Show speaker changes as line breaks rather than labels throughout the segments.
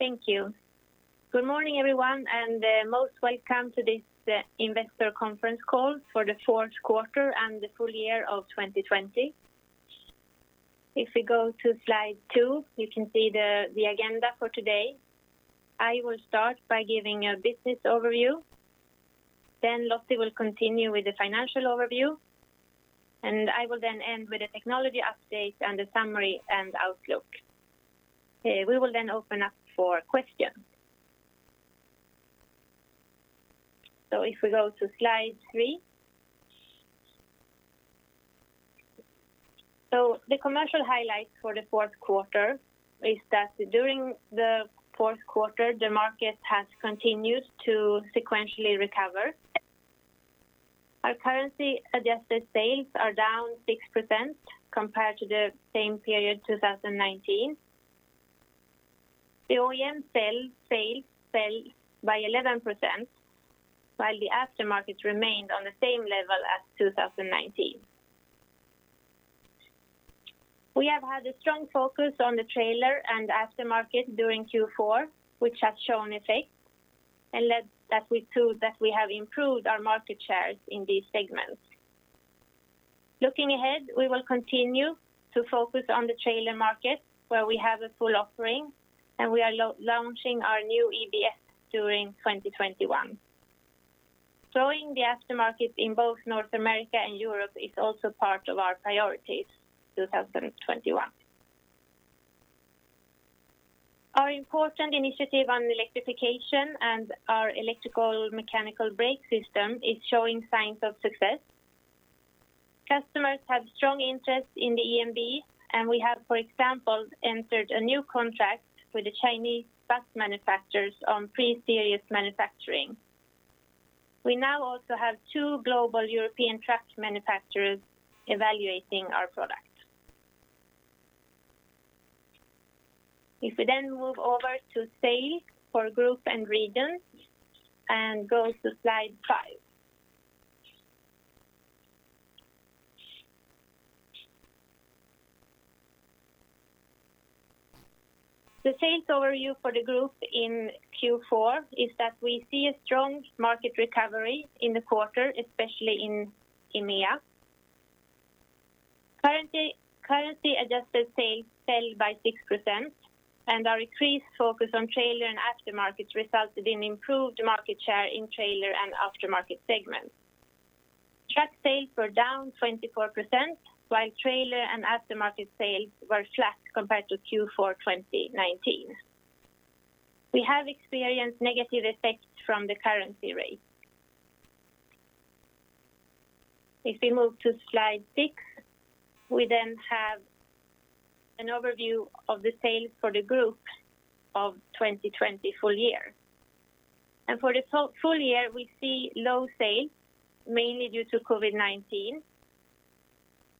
Thank you. Good morning, everyone, and most welcome to this investor conference call for the fourth quarter and the full year of 2020. We go to slide two, you can see the agenda for today. I will start by giving a business overview, then Lottie will continue with the financial overview, and I will then end with a technology update and a summary and outlook. We will open up for questions. We go to slide three. The commercial highlights for the fourth quarter is that during the fourth quarter, the market has continued to sequentially recover. Our currency adjusted sales are down 6% compared to the same period 2019. The OEM sales fell by 11%, while the aftermarket remained on the same level as 2019. We have had a strong focus on the trailer and aftermarket during Q4, which has shown effect and led that we prove that we have improved our market shares in these segments. Looking ahead, we will continue to focus on the trailer market where we have a full offering and we are launching our new EBS during 2021. Growing the aftermarket in both North America and Europe is also part of our priorities 2021. Our important initiative on electrification and our electromechanical brake system is showing signs of success. Customers have strong interest in the EMB, and we have, for example, entered a new contract with the Chinese bus manufacturers on pre-series manufacturing. We now also have two global European truck manufacturers evaluating our product. If we move over to sales for group and regions and go to slide five. The sales overview for the group in Q4 is that we see a strong market recovery in the quarter, especially in EMEA. Currency adjusted sales fell by 6%, and our increased focus on trailer and aftermarket resulted in improved market share in trailer and aftermarket segments. Truck sales were down 24%, while trailer and aftermarket sales were flat compared to Q4 2019. We have experienced negative effects from the currency rate. If we move to slide six, we then have an overview of the sales for the group of 2020 full year. For the full year, we see low sales, mainly due to COVID-19.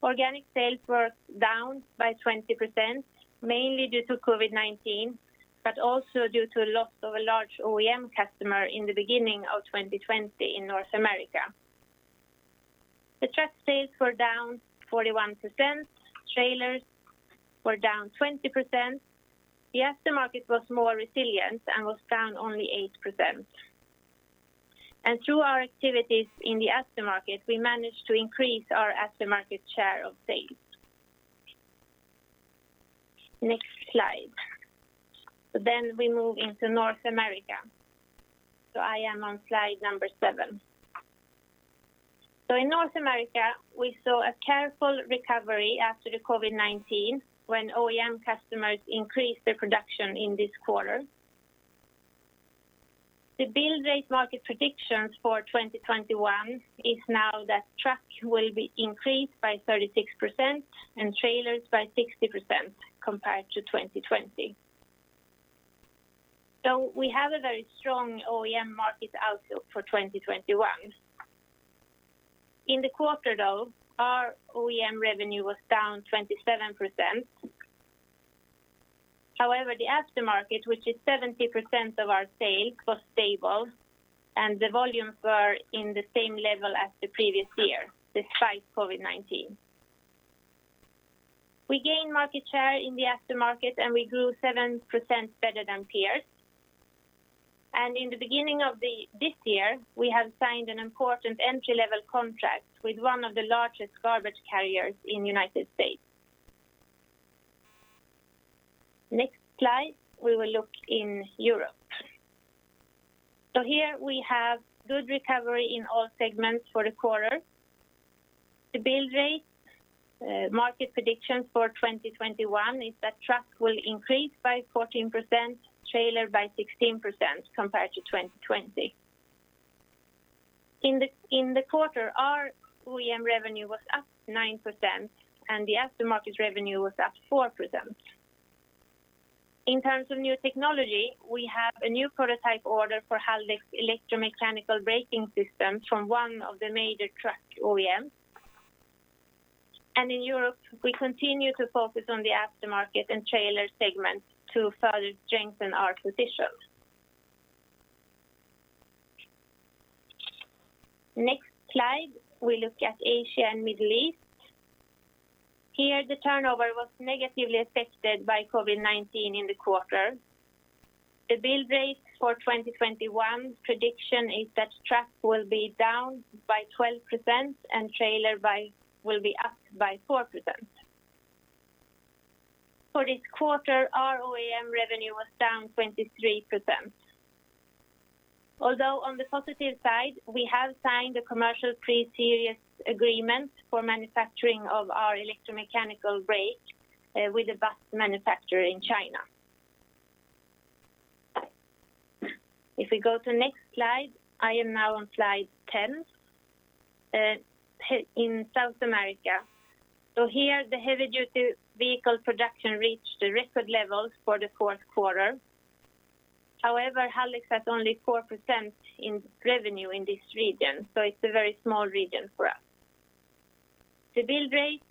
Organic sales were down by 20%, mainly due to COVID-19, but also due to a loss of a large OEM customer in the beginning of 2020 in North America. The truck sales were down 41%, trailers were down 20%. The aftermarket was more resilient and was down only 8%. Through our activities in the aftermarket, we managed to increase our aftermarket share of sales. Next slide. We move into North America. I am on slide seven. In North America, we saw a careful recovery after the COVID-19, when OEM customers increased their production in this quarter. The build rate market predictions for 2021 is now that truck will be increased by 36% and trailers by 60% compared to 2020. We have a very strong OEM market outlook for 2021. In the quarter though, our OEM revenue was down 27%. The aftermarket, which is 70% of our sales, was stable, and the volumes were in the same level as the previous year, despite COVID-19. We gained market share in the aftermarket, and we grew 7% better than peers. In the beginning of this year, we have signed an important entry-level contract with one of the largest garbage haulers in United States Next slide, we will look in Europe. Here we have good recovery in all segments for the quarter. The build rate market prediction for 2021 is that truck will increase by 14%, trailer by 16% compared to 2020. In the quarter, our OEM revenue was up 9% and the aftermarket revenue was up 4%. In terms of new technology, we have a new prototype order for Haldex electromechanical braking systems from one of the major truck OEMs. In Europe, we continue to focus on the aftermarket and trailer segments to further strengthen our position. Next slide, we look at Asia and Middle East. Here, the turnover was negatively affected by COVID-19 in the quarter. The build rate for 2021 prediction is that truck will be down by 12% and trailer will be up by 4%. For this quarter, our OEM revenue was down 23%. Although on the positive side, we have signed a commercial pre-series agreement for manufacturing of our electromechanical brake with a bus manufacturer in China. If we go to next slide, I am now on slide 10. In South America. Here, the heavy-duty vehicle production reached a record level for the fourth quarter. However, Haldex has only 4% in revenue in this region, so it's a very small region for us. The build rate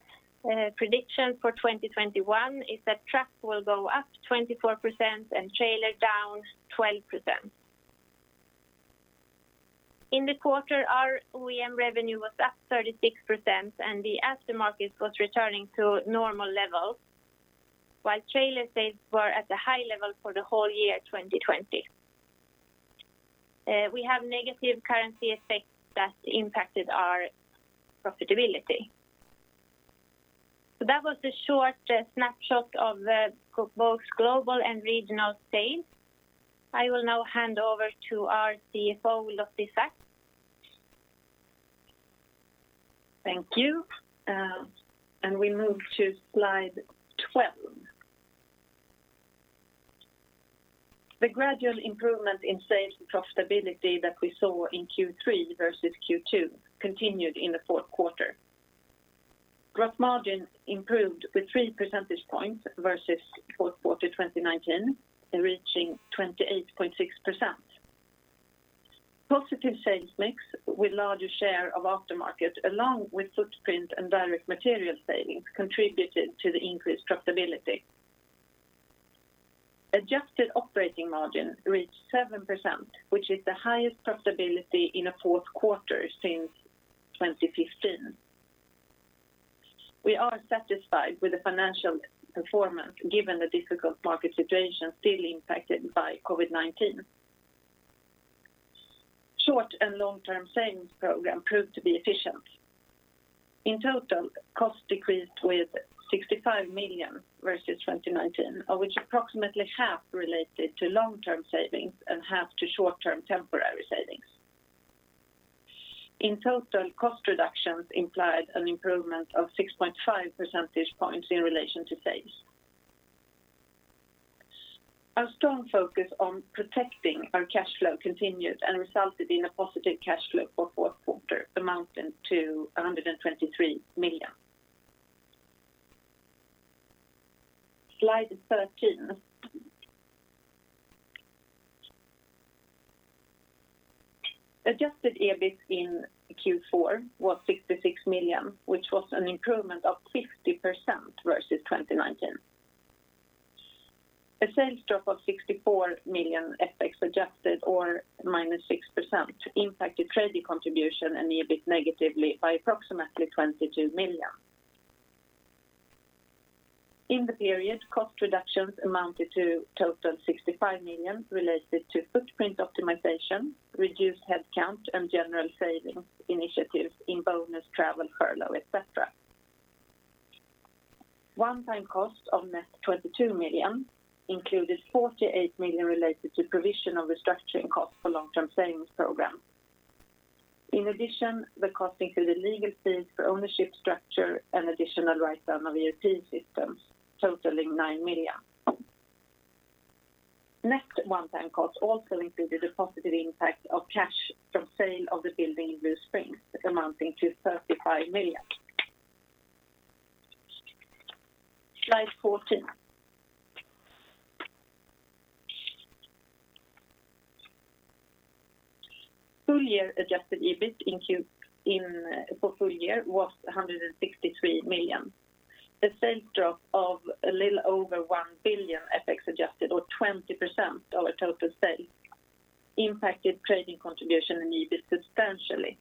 prediction for 2021 is that truck will go up 24% and trailer down 10%. In the quarter, our OEM revenue was up 36% and the aftermarket was returning to normal levels, while trailer sales were at a high level for the whole year 2020. We have negative currency effects that impacted our profitability. That was the short snapshot of both global and regional sales. I will now hand over to our CFO, Lottie Saks.
Thank you. We move to slide 12. The gradual improvement in sales profitability that we saw in Q3 versus Q2 continued in the fourth quarter. Gross margin improved with 3 percentage points versus fourth quarter 2019, reaching 28.6%. Positive sales mix with larger share of aftermarket, along with footprint and direct material savings, contributed to the increased profitability. Adjusted operating margin reached 7%, which is the highest profitability in a fourth quarter since 2015. We are satisfied with the financial performance given the difficult market situation still impacted by COVID-19. Short- and long-term savings program proved to be efficient. In total, costs decreased with 65 million versus 2019, of which approximately half related to long-term savings and half to short-term temporary savings. In total, cost reductions implied an improvement of 6.5 percentage points in relation to sales. Our strong focus on protecting our cash flow continued and resulted in a positive cash flow for fourth quarter, amounting to 123 million. Slide 13. Adjusted EBIT in Q4 was 66 million, which was an improvement of 50% versus 2019. A sales drop of 64 million FX adjusted or -6% impacted trading contribution and EBIT negatively by approximately 22 million. In the period, cost reductions amounted to total 65 million related to footprint optimization, reduced headcount, and general savings initiatives in bonus, travel, furlough, et cetera. One-time cost of net 22 million included 48 million related to provision of restructuring costs for long-term savings program. In addition, the cost included legal fees for ownership structure and additional write-down of ERP systems totaling 9 million. Net one-time cost also included a positive impact of cash from sale of the building in Blue Springs, amounting to 35 million. Slide 14. Full-year adjusted EBIT for full year was 163 million. The sales drop of a little over 1 billion FX adjusted, or 20% of our total sales, impacted trading contribution and EBIT substantially.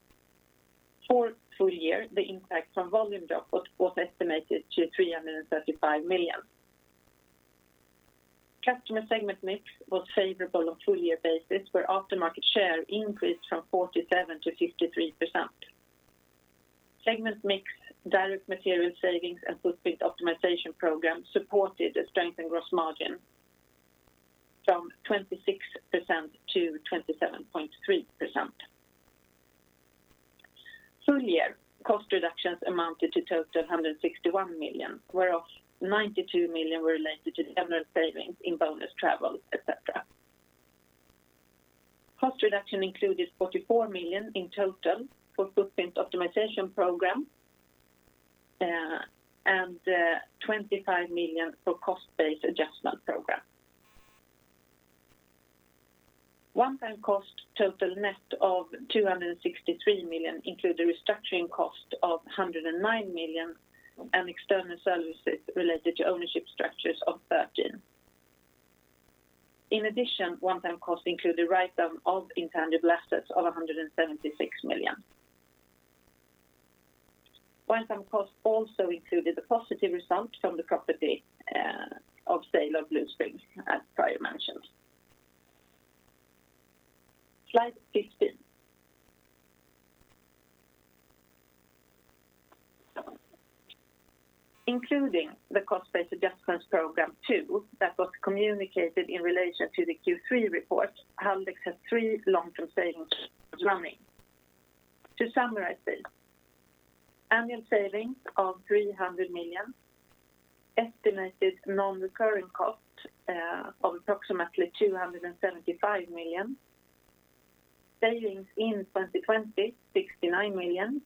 For full year, the impact from volume drop was estimated to 335 million. Customer segment mix was favorable on full year basis, where aftermarket share increased from 47%-53%. Segment mix, direct material savings, and footprint optimization program supported the strength in gross margin from 26%-27.3%. Full year cost reductions amounted to total 161 million, whereof 92 million related to general savings in bonus, travel, et cetera. Cost reduction included 44 million in total for footprint optimization program and 25 million for cost-based adjustment program. One-time cost total net of 263 million included restructuring cost of 109 million and external services related to ownership structures of 13 million. In addition, one-time costs include the write down of intangible assets of 176 million. One-time costs also included the positive result from the property of sale of Blue Springs, as prior mentioned. Slide 15. Including the cost-based adjustment Program Two that was communicated in relation to the Q3 report, Haldex has three long-term savings running. To summarize this, annual savings of 300 million, estimated non-recurring cost of approximately 275 million, savings in 2020, 69 million.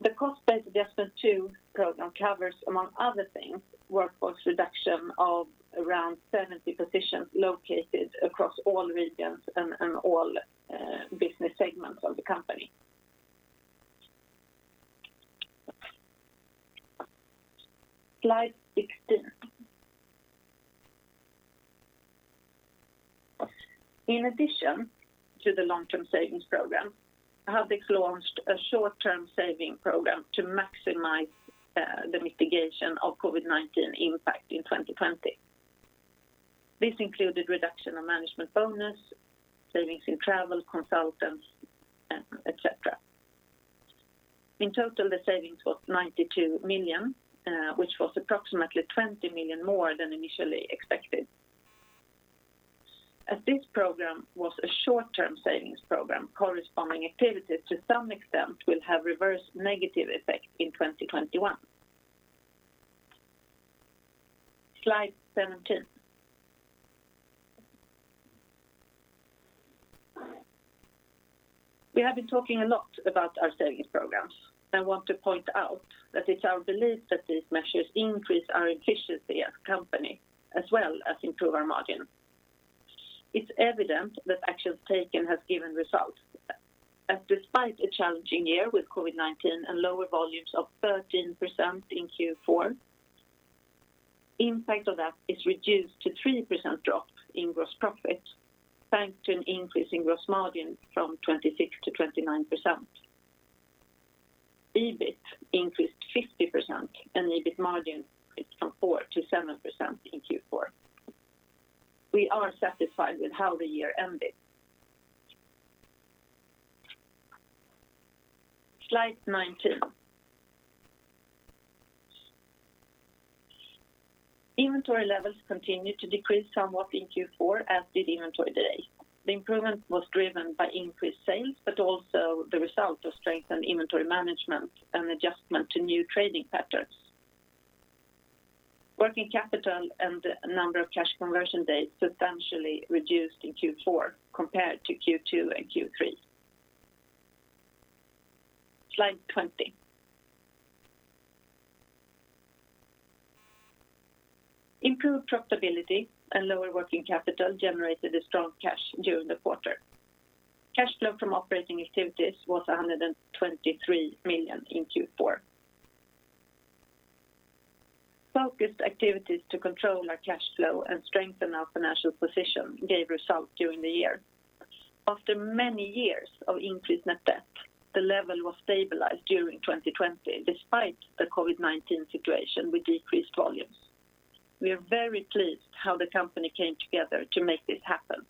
The cost-based adjustment Program Two covers, among other things, workforce reduction of around 70 positions located across all regions and all business segments of the company. Slide 16. In addition to the long-term savings program, Haldex launched a short-term saving program to maximize the mitigation of COVID-19 impact in 2020. This included reduction of management bonus, savings in travel, consultants, et cetera. In total, the savings was 92 million, which was approximately 20 million more than initially expected. As this program was a short-term savings program, corresponding activities to some extent will have reverse negative effect in 2021. Slide 17. We have been talking a lot about our savings programs. I want to point out that it's our belief that these measures increase our efficiency as a company, as well as improve our margin. It's evident that actions taken have given results. Despite a challenging year with COVID-19 and lower volumes of 13% in Q4, impact of that is reduced to 3% drop in gross profit, thanks to an increase in gross margin from 26%-29%. EBIT increased 50% and EBIT margin increased from 4%-7% in Q4. We are satisfied with how the year ended. Slide 19. Inventory levels continued to decrease somewhat in Q4 as did inventory days. The improvement was driven by increased sales, also the result of strengthened inventory management and adjustment to new trading patterns. Working capital and number of cash conversion days substantially reduced in Q4 compared to Q2 and Q3. Slide 20. Improved profitability and lower working capital generated a strong cash during the quarter. Cash flow from operating activities was 123 million in Q4. Focused activities to control our cash flow and strengthen our financial position gave result during the year. After many years of increased net debt, the level was stabilized during 2020 despite the COVID-19 situation with decreased volumes. We are very pleased how the company came together to make this happen.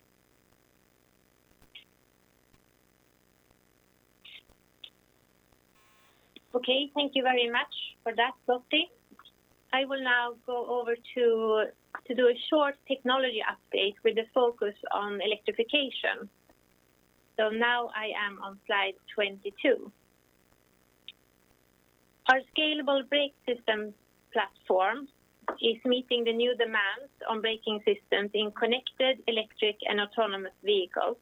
Thank you very much for that, Lottie. I will now go over to do a short technology update with the focus on electrification. Now I am on slide 22. Our Scalable Brake System platform is meeting the new demands on braking systems in connected, electric, and autonomous vehicles.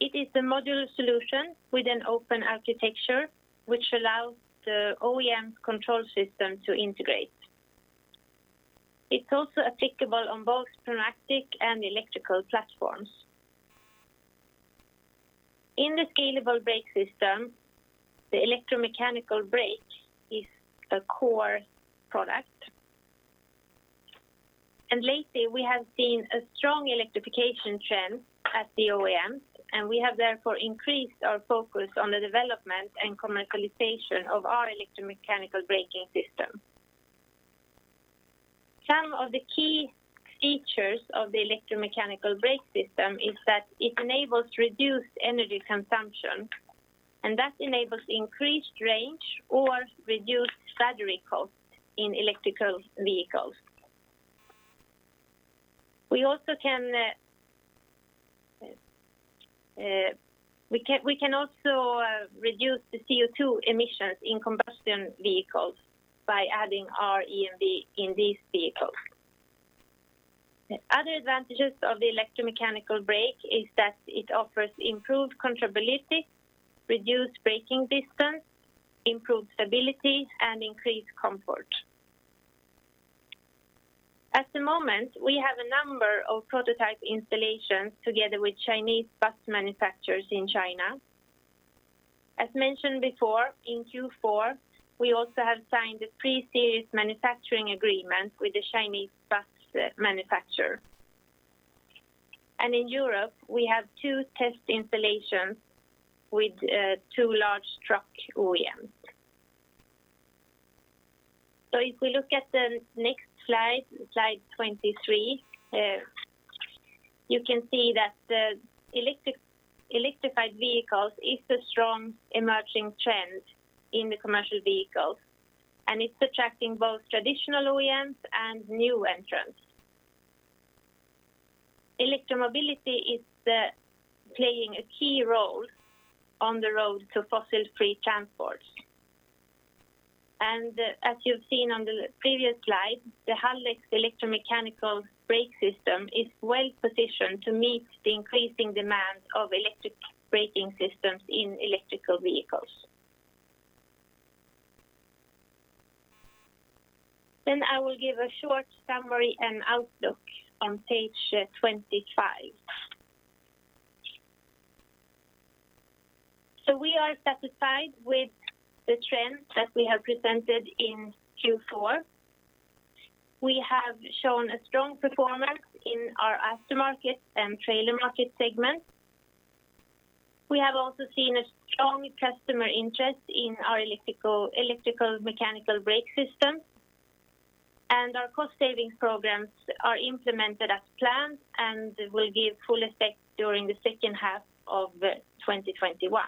It is a modular solution with an open architecture, which allows the OEM control system to integrate. It's also applicable on both pneumatic and electrical platforms. In the Scalable Brake System, the Electromechanical Brake is a core product. Lately, we have seen a strong electrification trend at the OEMs, and we have therefore increased our focus on the development and commercialization of our Electromechanical Braking System. Some of the key features of the Electromechanical Braking System is that it enables reduced energy consumption, and that enables increased range or reduced battery cost in electrical vehicles. We can also reduce the CO2 emissions in combustion vehicles by adding our EMB in these vehicles. Other advantages of the electromechanical brake is that it offers improved controllability, reduced braking distance, improved stability, and increased comfort. At the moment, we have a number of prototype installations together with Chinese bus manufacturers in China. As mentioned before, in Q4, we also have signed a pre-series manufacturing agreement with a Chinese bus manufacturer. In Europe, we have two test installations with two large truck OEMs. If we look at the next slide 23, you can see that the electrified vehicles is a strong emerging trend in the commercial vehicles, and it's attracting both traditional OEMs and new entrants. Electromobility is playing a key role on the road to fossil-free transport. As you've seen on the previous slide, the Haldex electromechanical brake system is well-positioned to meet the increasing demands of electronic braking systems in electrical vehicles. I will give a short summary and outlook on page 25. We are satisfied with the trends that we have presented in Q4. We have shown a strong performance in our aftermarket and trailer market segments. We have also seen a strong customer interest in our electromechanical brake system. Our cost-saving programs are implemented as planned and will give full effect during the second half of 2021.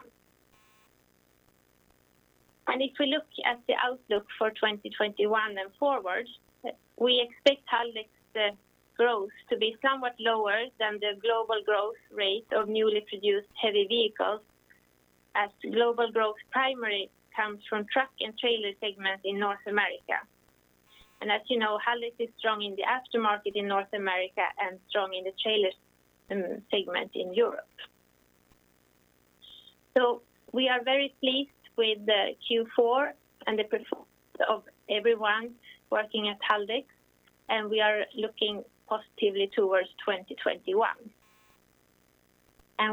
If we look at the outlook for 2021 and forward, we expect Haldex growth to be somewhat lower than the global growth rate of newly produced heavy vehicles, as global growth primarily comes from truck and trailer segments in North America. As you know, Haldex is strong in the aftermarket in North America and strong in the trailers segment in Europe. We are very pleased with Q4 and the performance of everyone working at Haldex, and we are looking positively towards 2021.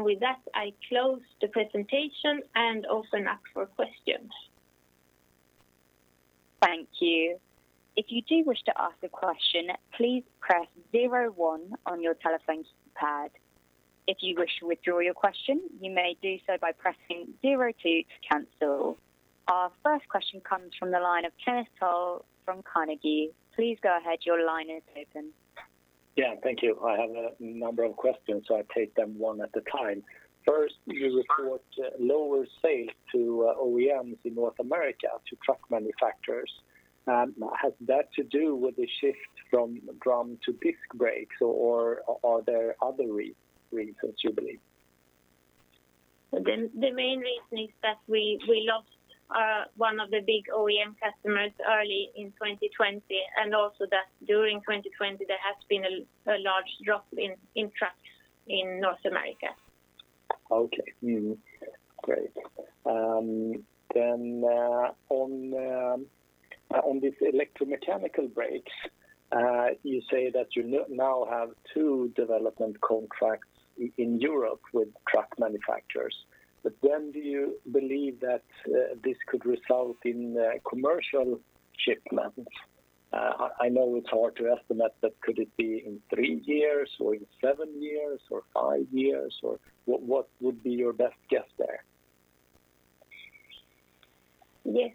With that, I close the presentation and open up for questions.
Thank you. If you wish to ask a question, please press zero, one on your telephone keypad. If you wish to withdraw your question, you may do so by pressing zero, two to cancel. Our first question comes from the line of Kenneth Toll from Carnegie. Please go ahead, your line is open.
Yeah, thank you. I have a number of questions. I'll take them one at a time. First, you report lower sales to OEMs in North America to truck manufacturers. Has that to do with the shift from drum to disc brakes or are there other reasons you believe?
The main reason is that we lost one of the big OEM customers early in 2020, and also that during 2020 there has been a large drop in trucks in North America.
Okay. Great. On these electromechanical brakes, you say that you now have two development contracts in Europe with truck manufacturers. When do you believe that this could result in commercial shipments? I know it's hard to estimate, but could it be in three years or in seven years or five years, or what would be your best guess there?
Yes.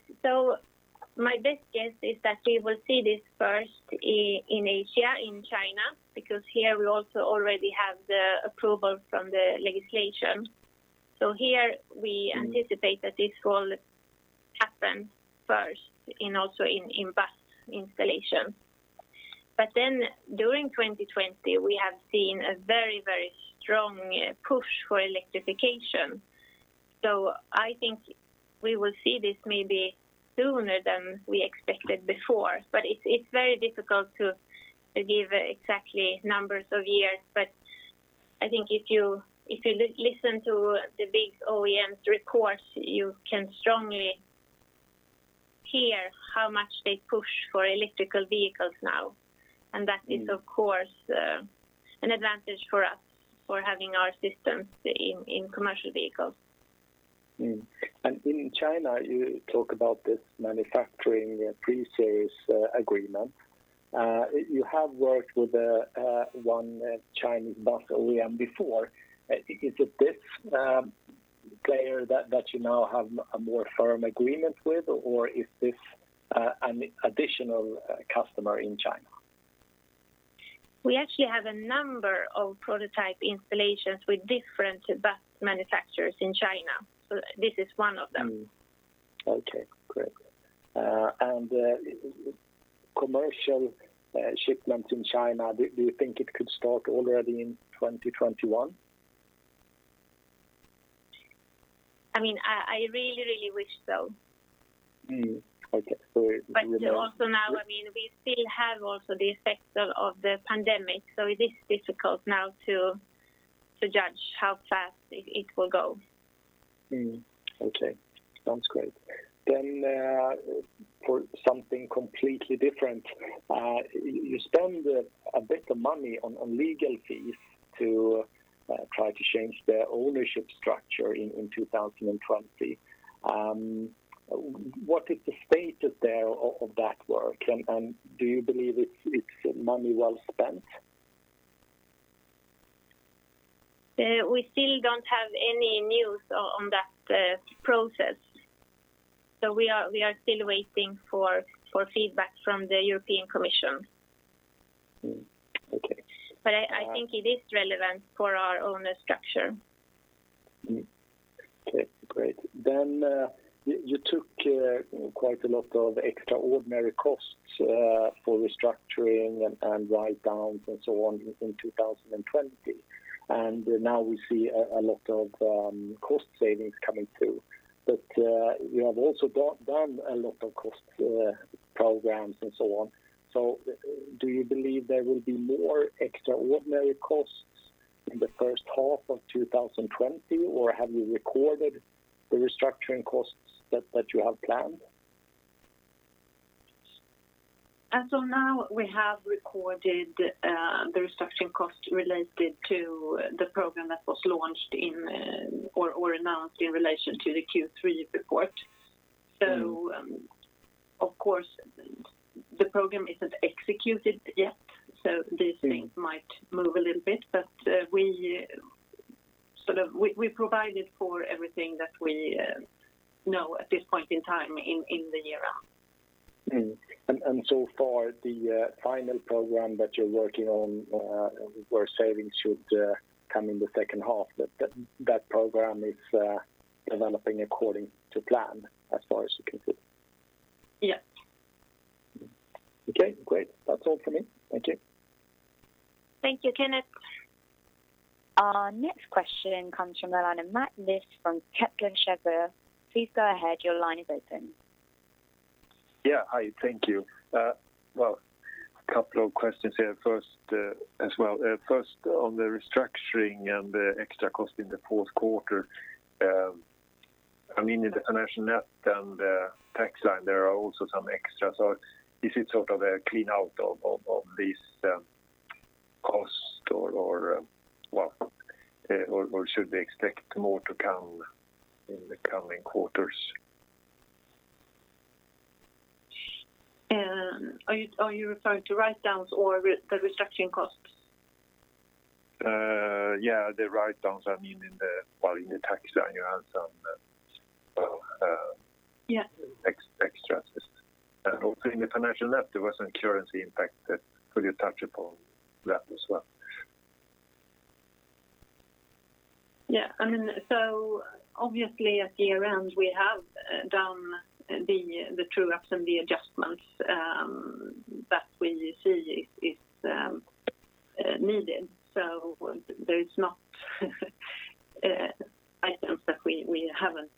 My best guess is that we will see this first in Asia, in China, because here we also already have the approval from the legislation. Here we anticipate that this will happen first in bus installation. During 2020, we have seen a very strong push for electrification. I think we will see this maybe sooner than we expected before. It's very difficult to give exactly numbers of years. I think if you listen to the big OEMs records, you can strongly hear how much they push for electrical vehicles now. That is, of course, an advantage for us for having our systems in commercial vehicles.
In China, you talk about this manufacturing pre-series agreement. You have worked with one Chinese bus OEM before. Is it this player that you now have a more firm agreement with, or is this an additional customer in China?
We actually have a number of prototype installations with different bus manufacturers in China. This is one of them.
Okay, great. Commercial shipments in China, do you think it could start already in 2021?
I really wish so.
Okay.
Also now, we still have also the effects of the pandemic, so it is difficult now to judge how fast it will go.
Okay. Sounds great. For something completely different. You spend a bit of money on legal fees to try to change the ownership structure in 2020. What is the status there of that work, and do you believe it's money well spent?
We still don't have any news on that process. We are still waiting for feedback from the European Commission.
Okay.
I think it is relevant for our owner structure.
Okay, great. You took quite a lot of extraordinary costs for restructuring and write-downs and so on in 2020, and now we see a lot of cost savings coming through. You have also done a lot of cost programs and so on. Do you believe there will be more extraordinary costs in the first half of 2020, or have you recorded the restructuring costs that you have planned?
As of now, we have recorded the restructuring cost related to the program that was launched or announced in relation to the Q3 report. Of course, the program isn't executed yet, so these things might move a little bit. We provided for everything that we know at this point in time in the year-end.
So far, the final program that you're working on, where savings should come in the second half, that program is developing according to plan as far as you can see?
Yes.
Okay, great. That's all for me. Thank you.
Thank you, Kenneth.
Our next question comes from the line of Mats Liss from Kepler Cheuvreux. Please go ahead. Your line is open.
Yeah. Hi, thank you. A couple of questions here first as well. First, on the restructuring and the extra cost in the fourth quarter. In the financial net and the tax line, there are also some extra. Is it sort of a clean out of these cost or should we expect more to come in the coming quarters?
Are you referring to write downs or the restructuring costs?
The write downs in the tax line, you have.
Yeah
Also in the financial net, there was a currency impact that could attach upon that as well.
Yeah. Obviously at the year-end, we have done the true ups and the adjustments that we see is needed. There is no items that we haven't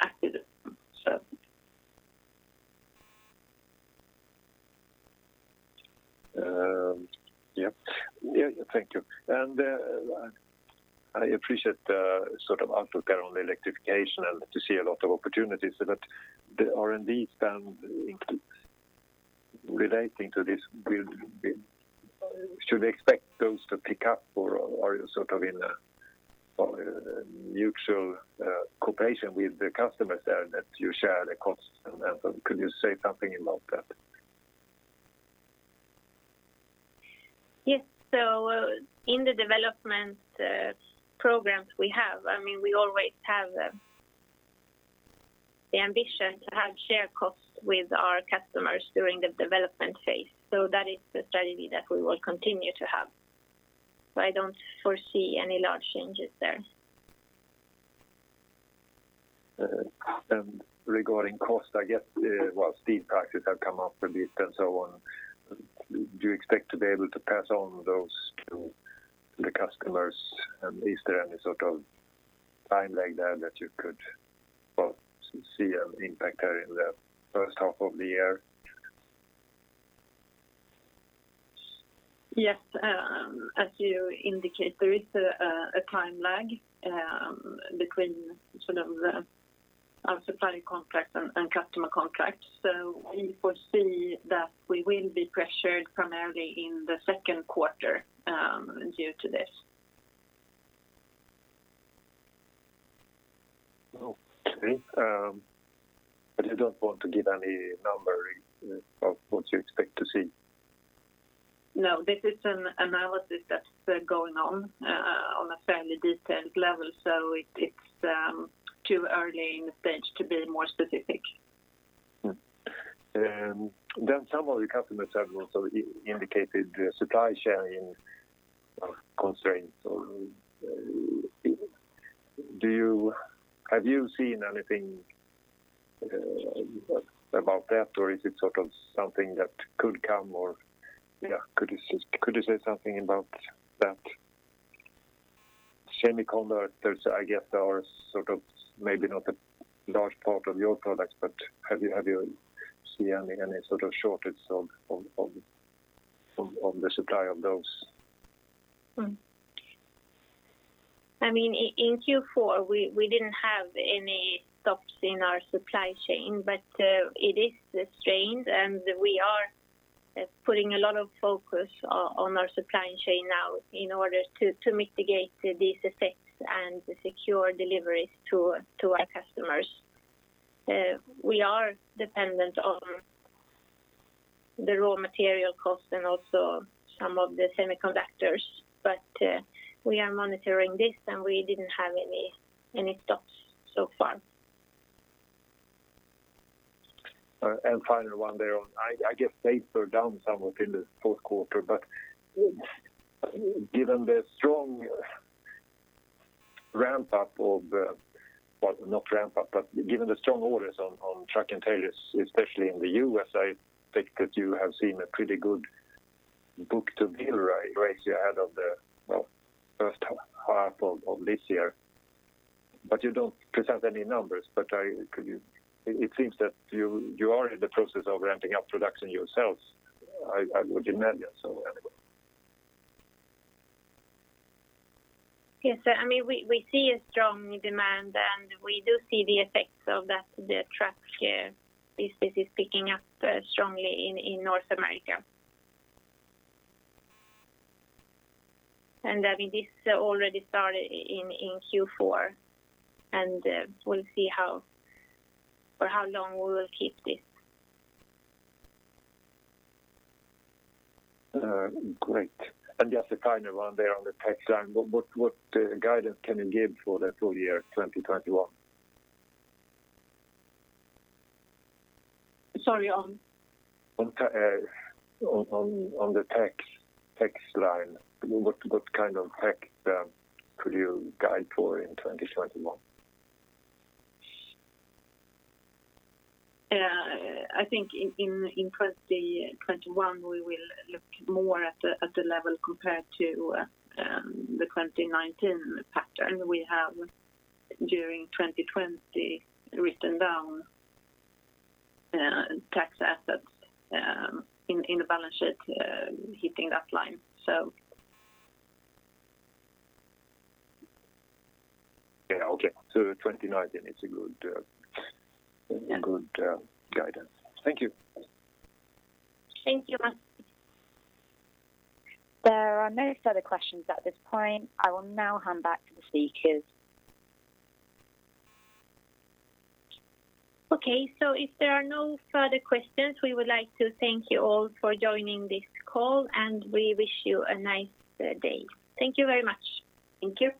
acted upon.
Yep. Thank you. I appreciate the sort of outlook there on the electrification and to see a lot of opportunities there. The R&D spend relating to this build, should we expect those to pick up or are you in a mutual cooperation with the customers there that you share the costs and that? Could you say something about that?
Yes. In the development programs we have, we always have the ambition to have shared costs with our customers during the development phase. That is the strategy that we will continue to have. I don't foresee any large changes there.
Regarding cost, I guess steel prices have come up a bit and so on. Do you expect to be able to pass on those to the customers? Is there any sort of time lag there that you could see an impact there in the first half of the year?
Yes. As you indicate, there is a time lag between our supply contract and customer contract. We foresee that we will be pressured primarily in the second quarter due to this.
Okay. You don't want to give any number of what you expect to see?
No, this is an analysis that's going on a fairly detailed level. It's too early in the stage to be more specific.
Some of the customers have also indicated supply chain constraints. Have you seen anything about that, or is it something that could come, or could you say something about that? Semiconductor, I guess, they are maybe not a large part of your products, but have you seen any sort of shortage of the supply of those?
In Q4, we didn't have any stops in our supply chain, but it is strained, and we are putting a lot of focus on our supply chain now in order to mitigate these effects and secure deliveries to our customers. We are dependent on the raw material cost and also some of the semiconductors. We are monitoring this, and we didn't have any stops so far.
Final one there. I guess they slowed down somewhat in the fourth quarter, but given the strong orders on truck and trailers, especially in the U.S., I think that you have seen a pretty good book-to-bill ratio ahead of the first half of this year. You don't present any numbers, but it seems that you are in the process of ramping up production yourselves. I would imagine so, anyway.
Yes, sir. We see a strong demand, and we do see the effects of that. The truck business is picking up strongly in North America. This already started in Q4, and we'll see for how long we will keep this.
Great. Just a final one there on the tax line. What guidance can you give for the full year 2021?
Sorry, on?
On the tax line, what kind of tax could you guide for in 2021?
I think in 2021, we will look more at the level compared to the 2019 pattern. We have, during 2020, written down tax assets in the balance sheet, hitting that line.
Okay. 2019, it's a good guidance. Thank you.
Thank you.
There are no further questions at this point. I will now hand back to the speakers.
Okay. If there are no further questions, we would like to thank you all for joining this call, and we wish you a nice day. Thank you very much. Thank you.